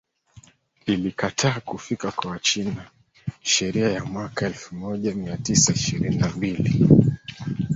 ilikataa kufika kwa Wachina sheria ya mwaka elfumoja miatisa ishirini na mbili